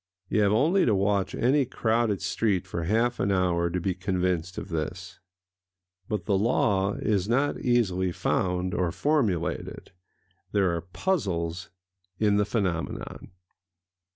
You have only to watch any crowded street for half an hour to be convinced of this. But the law is not easily found or formulated: there are puzzles in the phenomenon.